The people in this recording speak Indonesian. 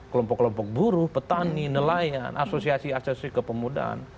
kelompok kelompok buruh petani nelayan asosiasi asosiasi kepemudaan